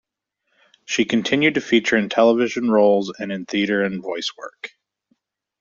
She continued to feature in television roles and in theatre and voice work.